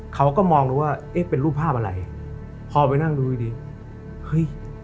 เขาก็มองดูว่าเอ๊ะเป็นรูปภาพอะไรพอไปนั่งดูดีดีเฮ้ย